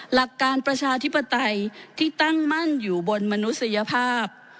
หลักการประชาธิปไตยที่ตั้งมั่นอยู่บนมนุษยภาพ